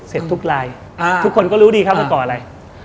เสร็จทุกใลน์ทุกคนก็รู้ดีครับเกาะอะไร